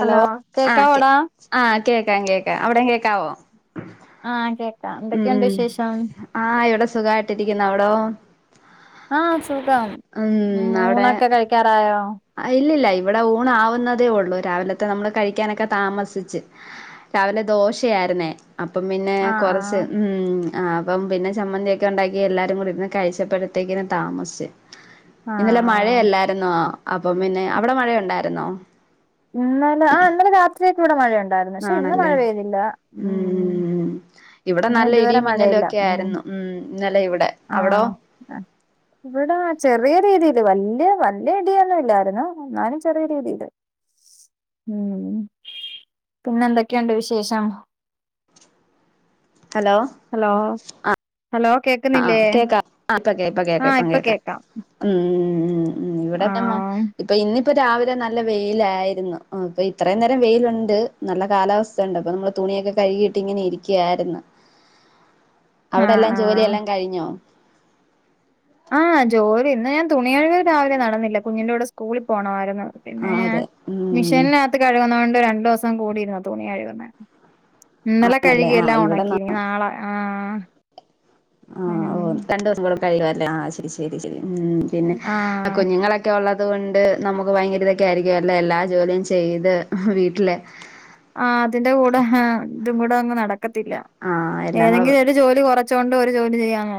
Hello കേകാവോ ടാ കേക്കാ കേക്കാ അവിടേം കേക്കാവോ ആഹ കേക്കാം എന്തൊക്കെയുണ്ട് വിശേഷം സുഖമായിട്ടിരിക്കുന്ന അവിടോ ആഹ സുഖം ഉം ഊണൊക്കെ കഴിക്കാറായോ ഇല്ലില്ല ഇവിടെ ഊണാവുന്നതേ ഉള്ളു രാവിലത്തെ നമ്മള് കഴിക്കാനൊക്കെ താമസിച്ച്. രാവിലെ ദോശയായിരുന്നേ അപ്പം പിന്നെ ആഹ് കൊറച്ച് ആഹ് ഉം ആ അപ്പം പിന്നെ ചമ്മന്തിയോക്കെ ഉണ്ടാക്കി എല്ലാരും കൂടി ഇരുന്ന് കഴിച്ചപ്പോഴത്തേക്കിന് താമസിച്ച് ഇന്നലെ ആഹ് മഴയയല്ലായിരുന്നോ അപ്പം പിന്നെ അവിടെ മഴയ ഉണ്ടായിരുന്നോ ഇന്നലെ ആ ഇന്നലെ രാത്രിയൊക്ക ഇവിടെ മഴയ ഉണ്ടായിരുന്നു പക്ഷെ ഇന്ന്മഴ ആണല്ലേ പെയ്തില്ല ഉം ഇവിടെ ഇന്ന് നല്ല ഇതുവരെ ഇടിയും മിന്നലും മഴയില്ല ഒക്കെ ആയിരുന്നു ഉം ഇന്നലെ ഇവിടെ അവിടോ ആഹ് ഇവിടെ ചെറിയ രീതിയില് വല്യ വല്ല്യ ഇടിയൊന്നും ഇല്ലായിരുന്നു എന്നാലും ചെറിയ രീതിയില് ഉം പിന്നെ എന്തൊക്കെയുണ്ട് വിശേഷം ഹലോ ഹലോ ആഹ് ഹലോ ആ കേക്കുന്നില്ലേ കേക്ക പ്പ കേക്ക ആഹ് പ്പം ഇപ്പൊ കേക്ക ഇപ്പ കേക്ക കേക്കാം ഉം ഉം ഇവിടെക്ക് ആഹ് ഇപ്പൊ ഇന്ന് ഇപ്പൊ രാവിലെ നല്ല വെയിലായിരുന്നു. ഇപ്പൊ ഇത്രയും നേരം വെയിലുണ്ട്. നല്ല കാലാവസ്ഥ ഉണ്ട്. അപ്പോ നമ്മള് തുണിയൊക്കെ കഴുകിയിട്ട് ഇങ്ങനെ ഇരിക്കായിരുന്നു ആഹ് ആഹ് ഞ്ഞോ ആഹ് ജോലി ഇന്ന് ഞാൻ തുണികഴുകൾ രാവിലെ നടന്നില്ല. കുഞ്ഞിന്റെ കൂടെ സ്കൂളിൽ പോണമായിരുന്നു ആ പിന്നെ ഞാൻ അതെ ഉം മിഷീനിനകത്ത് കഴുകുണത് കൊണ്ട് രണ്ടു ദിവസം കൂടിരുന്ന തുണികഴുകുന്നെ ഇന്നലെ ആണല്ലേ ആ കഴുകിയെല്ലാം ഉണക്കി നാളെ ആഹ് ങാ ഉം ഓ രണ്ടു ദിവസം കൂടെ കഴിയ അല്ലേ ആ ശരി ശരി ശരി ഉം പിന്നെ ആഹ് കുഞ്ഞുങ്ങളൊക്കെ ഉള്ളത് അതുകൊണ്ട് നമുക്ക് ഭയങ്കര തിരക്കായിരിക്കും അല്ലേ. എല്ലാ ജോലിയും ചെയ്ത് വീട്ടിൽ ആ അതിന്റെ കൂടെ ഹാ തും കൂടെ അങ്ങ് നടക് ആഹ് എല്ലാം കൂടെ ഏതെങ്കിലും ജോലി കുറ വച്ചുകൊണ്ട് ഒരു ജോലി ചെയ്യാനോ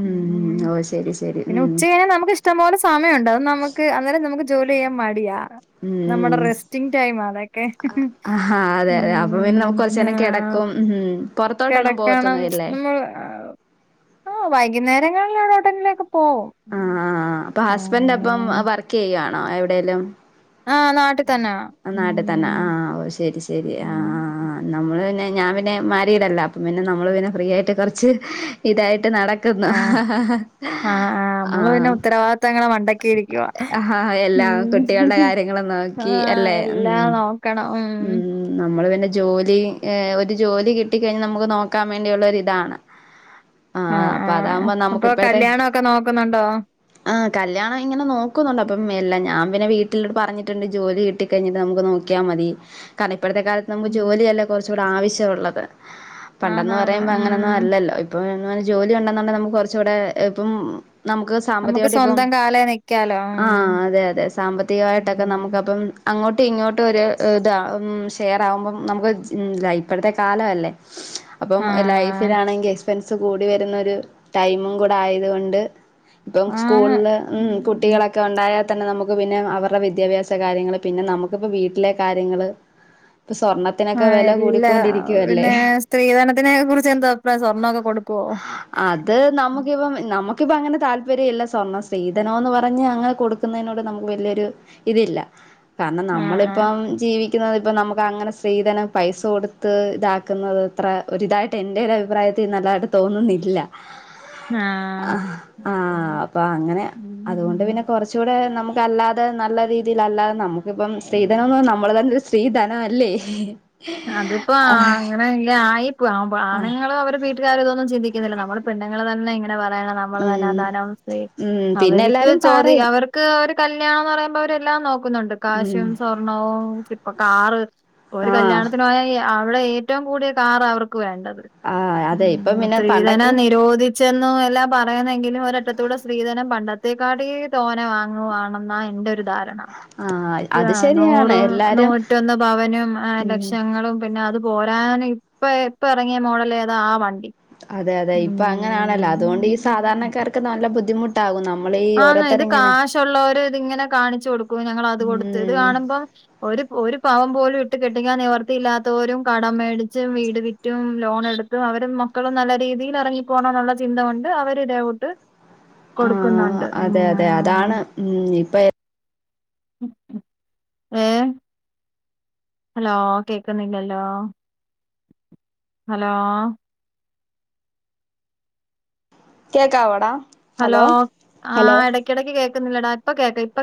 ഉം ഓ ശരി ശരി പിന്നെ ഉം ഉച്ച കഴിഞ്ഞാൽ നമുക്ക് ഇഷ്ടം പോലെ സമയമുണ്ട്. അത് നമുക്ക് അന്നേരം നമുക്ക് ജോലിചെയ്യാന്മടിയാ നമ്മുടെ ഉം റെസ്റ്റിങ് ടൈം ആതൊക്കെ ആഹാ അതെ അതെ അപ്പൊ പിന്നെ നമുക്ക് കൊറച്ചേരം കിടക്കും ഉം പൊ റത്തോട്ടൊന്നും കിടക്കണം പോവത്തില്ലേ വൈകുന്നേരങ്ങളിലാണേഎവ്ടേങ്കിലൊക്കെ ആ ആ അപ്പൊ ഹസ്ബൻഡ് അപ്പം ആ എവിടെയെലും ആഹ് നാട്ടിൽ തന്നാ നാട്ടിൽ ഉം തന്നെ ആഹ ഓ ശരി ശരി ആ ഉം ആ് നമ്മള് പിന്നെ ഞാൻ പിന്നെ മാരീടല്ല അപ്പ പിന്നെ നമ്മൾ പിന്നെ ഫ്രീ ആയിട്ട് കൊറച്ച് ഇതായിട്ട് നടക്കുന്നു ആഹ ആ ആ നമ്മള് പിന്നെ ഉത്തരവാദിത്തങ്ങൾ മണ്ടക്ക് ങാ എല്ലാം കുട്ടികളുടെ കാര്യങ്ങൾ നോക്കി ആഹ് അല്ലേ ഉം എല്ലാം നോക്കണം ഉം നമ്മള് പിന്നെ ജോലി ഏ ഒരു ജോലി കിട്ടിക്കഴിഞ്ഞ് നമുക്ക് നോക്കാൻ വേണ്ടിയുള്ളരിതാണ് ങാ ആഹ് അപ്പൊ ആഹ് അതാകുമ്പോ നമുക്ക് അപ്പൊ ഇപ്പോഴത്തെ കല്യാണൊക്കെ നോക്കുന്നുണ്ടോ ആ കല്യാണം ഇങ്ങനെ നോക്കുന്നുണ്ട് അപ്പം എല്ലാം ഞാൻ പിന്നെ വീട്ടില് പറഞ്ഞിട്ടുണ്ട് ജോലി കിട്ടി കഴിഞ്ഞിട്ട് നമുക്ക് നോക്കിയാൽ മതി കാണണെ ഇപ്പോഴത്തെ കാലത്ത് നമുക്ക് ഉം ജോലിയല്ലേ കുറച്ച് ഇവിടെ ആവശ്യമുള്ളത് പണ്ടന്ന് ആന്നാന്ന് പറയുമ്പോ ഉം അങ്ങനൊന്നും അല്ലല്ലോ ഇപ്പൊ ജോലി ഉണ്ടന്നൊണ്ടെ നമുക്ക് കുറച്ചൂടെ ഇപ്പം നമുക്ക് നമുക്ക് സാമ്പത്തികമായിട്ട് ഇപ്പം സ്വന്തം കാലേ നിക്കാലോ ആഹ അതെ അതെ സാമ്പത്തികമായിട്ടൊക്കെ നമുക്ക് ഉം ഉം അപ്പം അങ്ങോട്ടും ഇങ്ങോട്ടും ഒരു ഇതി ഷെയർ ആവുമ്പം നമുക്ക് ഇപ്പോഴത്തെ കാലമല്ലേ അപ്പം ആഹ് ലൈഫിലാണെങ്കിൽ എസ്പെൻസ് കൂടി വരുന്ന ഒരു ടൈമും കൂടെ ആയതു കൊണ്ട് ഇപ്പം സ്കൂളില് ഉം കുട്ടികളൊക്കെ ഉണ്ടായ തന്നെ നമുക്ക് പിന്നെ അവരുടെ വിദ്യാഭ്യാസ കാര്യങ്ങള്പിന്നെ നമുക്കിപ്പോ വീട്ടിലെ കാര്യ കാര്യങ്ങള് ആഹ എല്ലാ പിന്നെ സ്ത്രീധനത്തിനെകുറിച്ച് എന്താ അഭിപ്രായം സ്വർണൊക്കെ കൊടുക്കുവോ ന ഇപ്പൊ അങ്ങനെ താല്പര്യം ഇല്ല സ്വർണ്ണ സ്ത്രീധനോന്ന് പറഞ്ഞ് അങ്ങനെ കൊടുക്കുന്നതിനോട് നമുക്ക് വലിയൊരു ഇതില്ല കാരണം ആഹ് ആഹ് നമ്മളിപ്പം ഇരിക്കുന്നത് ഇപ്പ നമുക്ക് അങ്ങനെ സ്ത്രീധനം പൈസ കൊടുത്ത് ഇതാക്കുന്നത് അത്ര ഒരു ഇതായിട്ട് എന്റെ ഒരു അഭിപ്രായത്തി നല്ലതായിട്ട് തോന്നുന്നില്ല ആ ആഹ് ആഹ അപ്പൊ അങ്ങനെ അതുകൊണ്ട് പിന്നെ കൊറച്ചുകൂടെ നമുക്ക് അല്ലതെ നല്ല രീതിൽ അല്ലാതെ നമുക്കിപ്പം സ്ത്രീധനോന്ന് നമ്മള് തന്നൊരു സ്ത്രീധനല്ലേ അതിപ്പോ അങ്ങനെല്ലേ ആയി ആവുമ്പോ ആഹ് ആണുങ്ങൾ അവരെ വീട്ടി വീട്ടുകാര് ഇതൊന്നും ചിന്തിക്കുന്നില്ല നമ്മുള് പെണ്ണുങ്ങൾ തന്നെ ഇ നമ്മൾ തന്നെ പറയാനാ നമ്മള് തന്നെ ഉം ധനം സ്ത്രീ ഉം പിന്നെ അവർക്ക് എല്ലാരും ചോദിക്കാ പറയും അവര്ക്ക് അവർക്ക് കല്യാണംന്ന് പറയുമ്പോ അവരെല്ലാം നോ നോക്കുന്നുണ്ട് ഉം കാശും സ്വർണ്ണവും അപ്പൊ കാറ് ഒരു ആഹ് കല്യാണം അവിടെ ഏറ്റവും കൂടിയ കാറ അവർ ക്ക് വേണ്ടത് ആഹ് അതെ ഇപ്പം ഉം പിന്നെ സ്ത്രീധന പണ്ടൊക്കെ നിരോധി ചെന്ന എല്ലാം പറയുന്നെങ്കിലും ഒര അറ്റത്തൂടെ സ്ത്രീധനം പണ്ടത്തെേക്കാടി തോനെ വാങ്ങുവാണെന്നാ എന്റെ ഒരു ധാര ആഹ് അത് [unintelligible] ശരിയാണ് നൂറും എല്ലാരും നൂറ്റൊന്ന് പവനും അത ഉം വക്ഷങ്ങളും പിന്നെ അത് പോരൻ ഇപ്പ ഇപ്പ ഇറങ്ങിയ മോഡല ഏതാ ആ വണ്ട അതെ അതെ ഇപ്പൊ അങ്ങനെയാണല്ലോ അതുകൊണ്ട് ഈ സാധാരണക്കാർക്ക് നല്ല ബുദ്ധിമുട്ട് ഉണ്ടാകും ആന്ന് ഇത് കാശുള്ളവര് ഇതിങ്ങനെ കാണിച്ചു കൊടുക്കൂ ഞങ്ങ അത് കൊടുത്ത് ഇത് ഉം കാണുമ്പം ഒരു ഒരു പാവം പോലും വിട്ട് കെട്ടി നിവർത്തി ഇല്ലാത്തവരും കടം മേടിച്ചും വീട് വിറ്റും ലോൺ എടുത്തും അവരും മക്കളും നല്ല രീതിയിൽ ഇറങ്ങിപ്പോണം എന്നുള്ള ചിന്ത കൊണ്ട് അവരി ഇതേ കൂട്ട് കൊടുക്കുന്നു ആഹ് അതെ അതെ അതാണ് ഉം ഇപ്പൊ എ ഏ ഹലോ കേക്കുന്നില്ലല്ലോ ഹലോ കേക്കാവോടാ ഹലോ ആ ഇടക്കിടക്ക് കേക്ക ക്ക്ന്നില്ല ടാ ഇപ്പ കേക്ക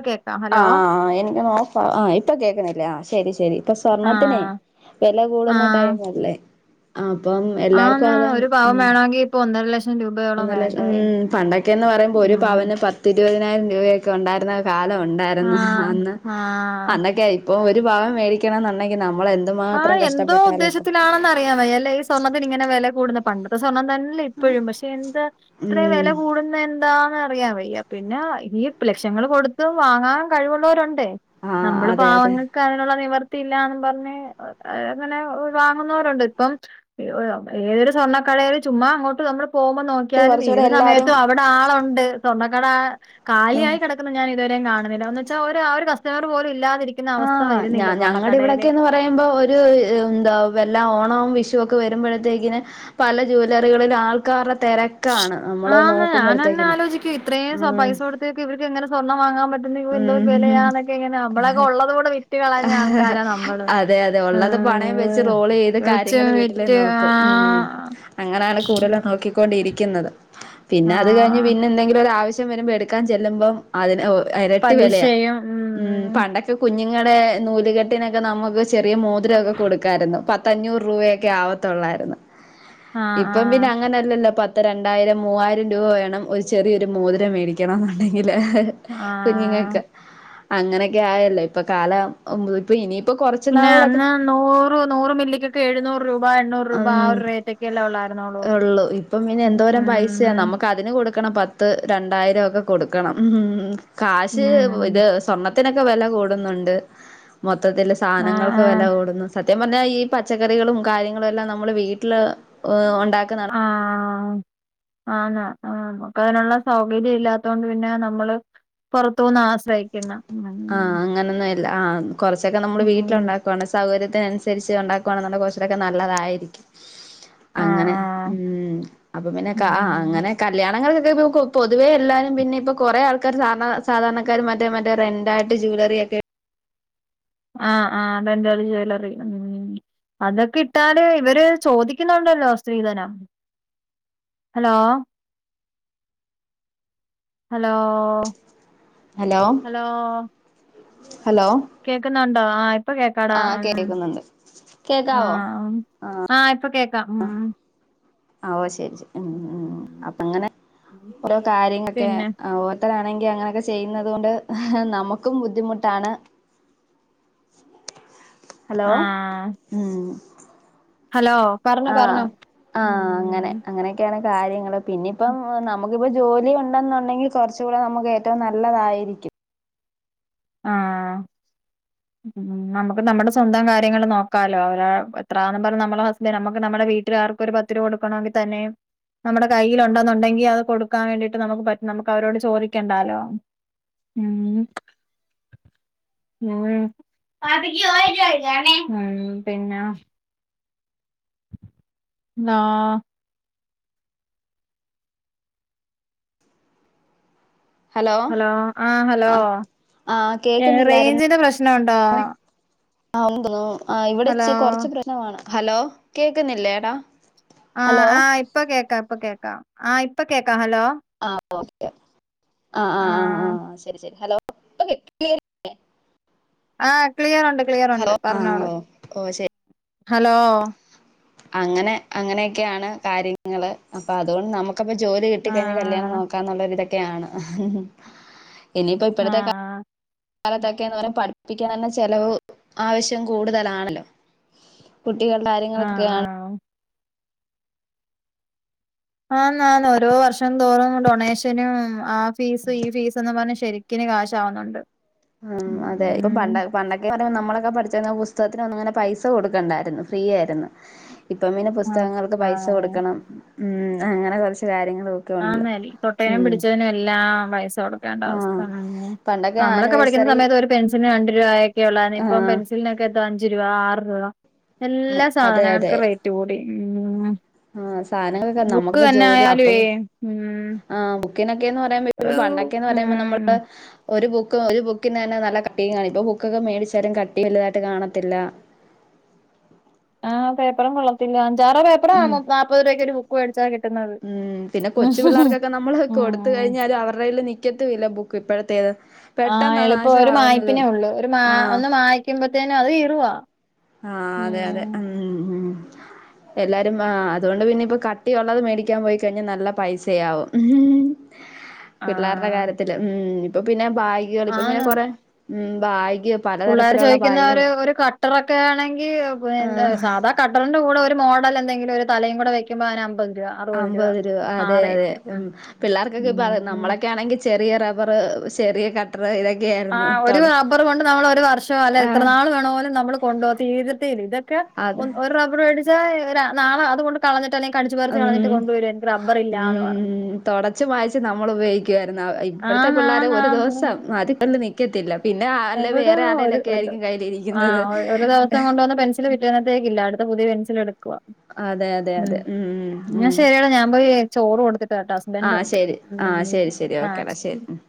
ആ ആ എനിക്ക് ന്ന് ഓഫാ ആ ഇപ്പൊ കേക്കുന്നില്ലേ ആ ശരി ശരി ഇപ്പൊ ആ സ്വർണത്തിനെ വെല ആ കൂടുന്ന ടൈമല്ലേ ആ ആന്ന് ഒരു പാവം വേണോങ്കി ഇപ്പൊ ഒന്നര ലക്ഷ മ്മ്-പണ്ടൊക്കെന്ന് പറയുമ്പോ ഒരു ഉം പവന് പത്തിരുപ [unintelligible] രൂപയൊക്കെ ഉണ്ടായിരുന്ന കാലം ഉണ്ടായിരുന്നു ആഹ് അന്ന് ആഹ് അന്നൊക്കെ ഇപ്പോ ഒരു പവൻ മേടിക്കണംമെന്നുണ്ടെങ്കിൽ നമ ആ എന്തോ ഉദ്ദേശത്തിലാണെന്ന്റിയ വയ്യല്ലേ ഈ സ്വർണത്ത്ന് ഇങ്ങനെ വില കൂടുന്ന പണ്ടത്തെ സ്വർണ്ണ ല്ലേ ഇപ്പോഴും പക്ഷെ എന്താ ഇത്ര ഉം വില കൂടുന്ന എന്താന്ന് അറിയ വയ്യ പിന്നെ ഈ ലക്ഷങ്ങൾ കൊടുത്ത് വാങ്ങാൻ കഴിവുള്ളൊരു ണ്ട് ആഹ് നമ്മള് അതെ അതെ പാവങ്ങൾക്ക് അതിനുള്ള നിവർ ത്തില്ലാ ന്ന് പറഞ്ഞ് അങ്ങനെ വാങ്ങുന്നവരുണ്ട് ഇപ്പം ഏതൊരു സ്വർണ്ണക്കടെല് ചുമ്മാ അങ്ങോട്ട് നമ്മള് പോവുമ്പോ നോക്കിയാലും കുറച്ചൂടെ ഏത് എല്ലാരും സമയത്തും അവിടെ ആളുണ്ട് സ്വാണകട കാലി ആഹ് ആയി കേടക്ക്‌ന്ന ഞാ തുവരേ കാണ്‌ന്നില്ല ന്ന് വെച്ച ഒര ഒര് കസ്റ്റമർ പോലും ഇല്ല ആ ഞ ഞങ്ങടെ ഇവിടെക്കെന്ന് പറയുമ്പോ ഒ ര് എന്താ വല്ല ഓണ വിഷുവൊക്കെ വരുമ്പോഴത്തേക്കിന് പല ജ്വാലറികളില് ആൾക്കാര ആന്ന് ഞാനന്നേ ആലോചിക്ക ഇത്രേയും ഉം പൈസ കൊടുത്ത ഇവർക്ക് എങ്ങനെ സ്വർണം വാങ്ങാൻ പറ്റുന്ന എന്തോ ഉം വിലയാന്നൊക്കെ ഇങ്ങനെ അമ്മളൊക്കെ ഉള്ള അതെ അതെ ഉള്ളത് പണയം വെച്ച് ഏഹ് റോളേയ്ത് വെച്ച് കാര്യങ്ങള് വീട്ടിലേ വിറ്റ് നോക്കും. ആഹ് മ്മ്-അങ്ങനെയാണ് കൂടുതലും നോ ണ്ടിരിക്കുന്നത് പിന്നെ അത് കഴിഞ്ഞ് ആഹ് പിന്നെ എന്തെങ്കിലും ഒരാവശ്യ വരുമ്പോ എടുക്കാൻ ചെല്ലുമ്പം അതിന് ഒ ഇരട്ടി വെലയാ. ഉം പണ്ടോ കുഞ്ഞുങ്ങടെ നൂലുകെട്ടിനൊക്കെ നമുക്ക് സ് ചെറിയ മോതിരോക്കെ കൊടുക്കായിരുന്നു പ പത്തഞ്ഞൂറ് രൂപയൊക്കെ ആവത്തോള്ളായിരുന്നു ആഹ് ഇപ്പം ആഹ് പിന്നെ അങ്ങനെല്ലല്ലോ പ പത്ത് രണ്ടായിരം മൂവായിരം രൂപ വേണം ഒരു ചെറിയൊരു മോതിരം മേടിക്കണം എന്നുണ്ടെങ്കിൽ ആഹ് കുഞ്ഞുങ്ങക്ക് അങ്ങനെയൊക്കെ ആ ഇപ്പൊ കാല ഇപ്പ ഇനി പിന്നെ അന്ന് നൂറ് നൂറ് മില്ലക്കൊക്കെ എഴുന്നൂറ് രൂപ എണ്ണൂറ് രൂപ ആ ഉം ഒരു റേറ്റ് ഒക്കെല്ലേ ഉള്ളായിരുന്നുള്ളൂ ഉള്ളു ഇപ്പം പിന്ന ഉം എന്തോരം പൈസയാ ഉം നമ്മുക്ക് അതിന് കൊടുക്കണം പ പത്ത് രണ്ടായിരം ഒക്കെ കൊടുക്കണം ഉ കാശ് ഉം ഇത് സ്വർണ്ണ ത്തിനൊക്കെ വില കൂടുന്നുണ്ട് മൊ മൊത്തത്തിൽ ആഹ് സാധനങ്ങൾക്ക് വില ആഹ് കൂടുന്നു സത്യം പറഞ്ഞാൽ ഈ പച്ചക്കറികളും കാര്യങ്ങ നമ്മളെല്ലാം വീട്ടില് ഒണ്ട ആ ആ ആന് ആ നമുക്ക് അതിനുള്ള സൗകര്യം ഇല്ലാത്തൊണ്ട് പിന്നെ നമ്മള് പുറത്തു നിന്ന് ആശ്രയിക്കണം ആ അങ്ങനെനന്നെ ല്ല ആ കുറച്ചൊക്കെ നമ്മുടെ വീട്ടില ഉം ണ്ടാക്കാണ് സൗകര്യത്തിനനുസ രി ണ്ടാക്കുവാണെന്നുടെ കോർച്ചക്കെ നല്ലതായിരിക്കും ആഹ് അങ്ങനെ ആഹ് മ്മ് അപ്പൊ പിന്നെ ക ഉം അങ്ങനെ കല്യാണങ്ങള് പൊതുവെ എല്ലാരും പിന്നെ ഇപ്പൊ കൊറേ ആൾക്കാർ സാധാ സാധാരണക്കാരും മറ്റേ മറ്റേ രൻഡ് തായിട്ട് ജ്വലറിയൊക്കെ ആ ആ റെന്റൽ ജ്വല്ലറി മ്മ് അതൊക്കെ ഇട്ടാല് ഇവര് ചോദിക്കുന്നുണ്ടല്ലോ സ്ത്രീധനം ഹലോ ഹലോ ഹലോ ഹലോ കേൾക്കന്നുണ്ടോ ആ ഇപ്പൊ കേക്കാടാ ആഹ് ആ കേക്കുന്നുണ്ട് ആ കേക്കാവോ ആ ഇപ്പ കേ മ്മ് ഓ ശരി ശരി മ്മ് മ്മ് അപ്പൊ അങ്ങനെ ഓരോ കാര്യങ്ങക്കെ പിന്നെ ണെങ്കി അങ്ങനെയൊക്കെ ചെയ്യുന്നത് കൊണ്ട് നമക്കും ബുദ്ധിമുട്ടാണ് ഹലോ ആഹ് മ്മ് ഹലോ പറഞ്ഞോ പറഞ്ഞോ ആഹ് അങ്ങനെ അങ്ങനെയൊക്കെയാണ് കാര്യങ്ങള് പിന്നെ ഇപ്പം നമ ക്ക് ഇപ്പോ ജോലി ഉണ്ടെന്നുണ്ടെങ്കിൽ കുറച്ച കൂടെ നമുക്ക് ഏറ്റവും നല്ലതായിരിക്കും ആ നമക്ക് നമ്മടെ സ്വന്തം കാര്യങ്ങള് നോക്കാലോ അവ എത്രാെന്ന് പറഞ്ഞ നമ്മളെ ഹസ്ബന്റ് നമ്മക്ക് നമ്മടെ വീട്ടിൽ ആർക്കും ഒരു പത്ത് രൂപ കൊടുക്കണമെങ്കിൽ തന്നെ നമ്മടെ കയ്യില് ഉണ്ടെന്നുണ്ടെങ്കി അത് കൊടുക്കാൻ വേണ്ടിട്ട് നമുക്ക് പറ്റും നമുക്ക് അവരോട് ചോദിക്കണ്ടാലോ ഉം ഉം ഉം പിന്നെ ആ ഹലോ ആ ഹലോ ആഹ് ആഹ് ഏ കേക്കുന്നില്ലായിരുന്നു റയ്ഞ്ചിന്റെ പ്രശ്നം ഉണ്ടോ ആ ഉണ്ടെന്ന് തോന്നണു ആ ഇവിടെച്ച് കുറച്ച് പ്രശ്നമാണ് ഹലോ കേക്കുന്നില്ലേടാ ആ ഹലോ ആ ഇപ്പ കേക്കാം ഇപ്പ കേക്കാം ആഹ ഇപ്പൊ കേക്കാ ഹലോ ആ ഓക്കെ ആ ആ ആ ആ ശരി ശരി ഹലോ [inaudible] ആ ക്ലിയറുണ്ട് ക്ലിയറുണ്ട് ഹലോ ആഹ് പറഞ്ഞോളൂ ഓ ഓ ശരി ഹലോ അങ്ങനെ അങ്ങനെയൊക്കെയാണ് കാര്യങ്ങള് അപ്പൊ അതുകൊണ്ട് നമ ക്കിപ്പ ആ ജോലികിട്ടഴിഞ്ഞ് കല്ല്യാണം നോക്കന്നുള്ള ഒരു ഇതെ തൊക്കെയാണ് ഇനിയിപ്പോ ആ ഇപ്പോഴത്തെ കാ ലത്തൊക്കെന്ന് പറഞ്ഞ പഠിപ്പിക്കൻ തന്നെ ചെിലവ് ആവശ്യം കൂടുതലാണല്ലോ കുട്ടികളുടെ ആ ആ കാര്യങ്ങളൾക്കൊക്കെയാണ് ആണ് ആണ് ഓരോ വർഷം തോറും ഡൊണേഷനും ആ ഫീസ് ഈ ഫീസെന്നും പറഞ്ഞ് ശരിക്കിനും ക്യാഷ് ആവുന്നുണ്ട് ഉം അതെ ഇപ്പൊ പണ്ടൊ പണ്ടൊക്കെ പറയുമ്പോ നമ്മളൊക്കെ പഠിച്ചന്ന് പു സ്തകത്തിനൊന്നും ഇങ്ങനെ പൈസ കൊടുക്കണ്ടായിരുന്നു ഫ്രീ ആയിരുന്നു ഇപ്പം പിന്നെ ആ പുസ്തകങ്ങൾക്ക് പൈസ ആ കൊടുക്കണം ഉം അങ്ങനെ കുറച്ച് കാര്യങ്ങൾ ആന്നാണ്‌ തൊട്ടേനും പിടിച്ചതിനും എല്ലാം പൈസകൊടുക്കണം അതാണ് അവസ്ഥ ആഹ് പണ്ടൊക്കെ നമ്മളൊക്കെ പഠിക്കുന്ന ആനിവേഴ്സറി സമയത്ത് ഒരു പെൻസിലിനു രണ്ട് രൂപയൊക്കെ ഒള്ളാരുന്നു ഇപ്പം ആഹ് പെൻസിലിനൊക്കെ അഞ്ച് രൂപ ആറ് രൂപ എല്ലാ സാധനങ്ങൾക്കും റേറ്റ് കൂടി ഉം ആ സാധനങ്ങളൊക്കെ ബുക്ക് നമ്മക്കിപ്പോ തന്നെ ജോലി അപ്പൊ ആയാലുവേ ഉം ക്കെന്ന് പറയുമ്പോ ഒരു പണ്ടൊക്കെന്ന് പറയുമ്പോ ഉം നമ്മള് ഒരു ബുക്ക് ഒരു ബുക്കിന് തന്നെ നല്ല കട്ടി കാണും ഇപ്പൊ ബുക്കൊക്കെ മേടിച്ചാലും കട്ടി വലുതായിട്ട് കാണത്തില്ല ആഹ പേപ്പറും കൊള്ളത്തില്ല ജറ പേപ്പറ ഉം നാൽപതു രൂപക്ക് ഒരു [unintelligible] ഉം പിന്നെ കൊച്ചു പിള്ളേർക്കൊക്കെ നമ്മള് കൊടുത്ത ഉം കഴിഞ്ഞാല് അവരുടെൽ നി ക്കത്തും വില്ല ബുക്ക് ഇപ്പോഴത്തേത് ആ പെട്ടെന്നാ എളുപ്പം ഒരു നാശമാവുന്നത് മായ്പിനേ ഉള്ളൂ ഒരു ഒന്ന് മായക്കുമ്പോ തേന അത് കീറുവാ ആ അതെ അതെ ഉം ഉ ഉ ഉ എല്ലാരും ആ അതുകൊണ്ട് പിന്നെ ഇപ്പ കട്ടിയ ഉള്ളത് മേടിക്കാൻ പോയി കഴിഞ്ഞാൽ നല്ല പൈസയാവും ആ പിള്ളേരുടെ കാര്യത്തില് ഉ അപ്പൊ പിന്നെ ബായികൾ ഇപ്പൊ പിന്നെ കൊറെ ഉം ബായ് പിള്ളോര് ചോദിക്കുന്നവര് ഒരു കട്ടറെ ക്കാണെങ്കിൽ ആഹ് സാധാ കുറിന്റെ കൂട്ട് ഒരു മോഡൽ എന്തെങ്കിലും ഒരു തലയും കൂടെ വയ്ക്കുമ്പോൾ അതിനമ്പ് അമ്പരു അതെ അതെ ഉ ഉം പിള്ളേർക്കൊക്കെ ഉം നമ്മളൊക്കെ ആണെങ്കിൽ ചെ ചെറിയ റബർ ചെറിയെ ക ആ ഒരു റബ്ബർ കൊണ്ട് നമ്മൾ ഒരു വർഷം അല്ലെ ഇത്ര ആഹ് നാൾ വേണ പോലും നമ്മൾ കൊണ്ടുപോക തീരത്തുമില്ല ഇതൊക്കെ അതെ ഒരു റബ്ബറുമേടി ആഹ നാളെ അതുകൊണ്ട് കളഞ്ഞിട്ട് അല്ലെങ്കിൽ കടിച്ചു പറിച്ച് ഉം കളഞ്ഞിട്ട് കൊണ്ടുവരും എനിക്ക് റബ്ബർ ഇല്ലാന്ന് പറഞ്ഞു ഉം തുടച്ചു മായ്ച്ച് നമ്മൾ ഉപയോഗിക്കായിരുന്നു ഇപ്പഴത്തെ ആന്ന് പിള്ളേരെ ആന്ന് ഒരു ആന്ന് ദിവസം [unintelligible] നി ക്കത്തില്ല എവിടെ ഒരു ഒരു ആ കയ്യിലിരിക്കുന്നത് ഒരു ദിവസം കൊണ്ടുവന്ന് പെൻസിൽ പിറ്റേനത്തേക്ക് ഇല്ല അടു [unintelligible] പുതിയ പെൻസിൽ എടു [unintelligible] അതെ അതെ ഉം അതെ ഉം എന്നാ ഉം ശരിയടാ ഞാൻ പോയി ചോറ് കൊടുത്തിട്ട് വരട്ട് ഹസ്ബൻഡ് ആഹ് ഒണ്ട് ശരി ആഹ് ശരി ശരി ആ ഓക്കേടാ ശരി ഉം